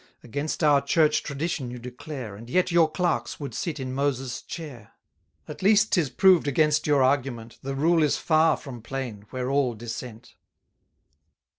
Against our Church Tradition you declare, And yet your clerks would sit in Moses' chair; At least 'tis proved against your argument, 210 The rule is far from plain, where all dissent.